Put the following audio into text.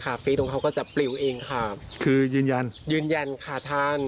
ฟีดของเขาก็จะปลิวเองค่ะคือยืนยันยืนยันค่ะท่าน